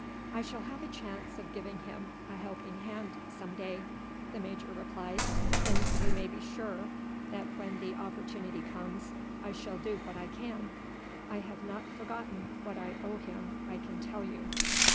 "I shall have a chance of giving him a helping hand some day," the major replied, "and you may be sure that when the opportunity comes I shall do what I can. I have not forgotten what I owe him, I can tell you."